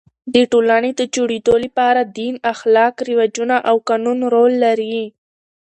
د ټولني د جوړېدو له پاره دین، اخلاق، رواجونه او قانون رول لري.